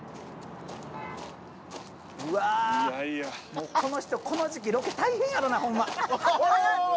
もうこの人この時期ロケ大変やろうなホンマ。